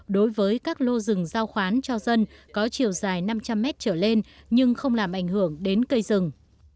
đối với các lô rừng giao khoán cho dân có chiều dài năm trăm linh mét trở lên nhưng không làm ảnh hưởng đến cây rừng